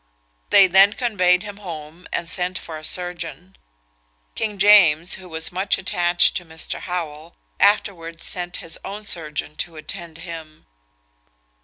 They then conveyed him home, and sent for a surgeon. King James, who was much attached to Mr. Howell, afterwards sent his own surgeon to attend him.